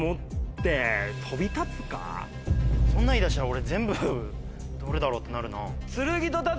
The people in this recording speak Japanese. そんなん言いだしたら俺全部どれだろう？ってなるな。